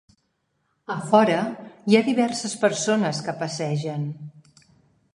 A fora, hi ha diverses persones que passegen.